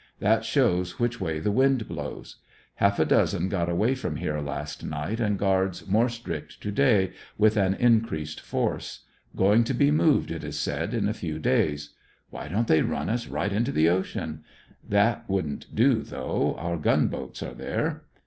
That shows which way the wind blows. Half a dozen got away from here last night, and guards more strict to day, with an increased force. Going to be moved, it is said, in a few days. Why don't they run us right into the ocean? That wouldn't do though, our gunboats are there.